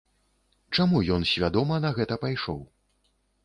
Чаму ён свядома на гэта пайшоў?